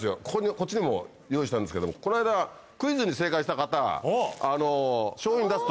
こっちにも用意してあるんですけどもこの間クイズに正解した方。